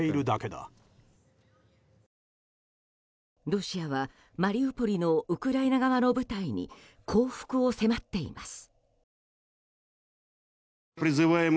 ロシアは、マリウポリのウクライナ側の部隊に降伏を迫っています。